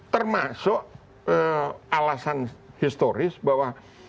termasuk alasan historis bahwa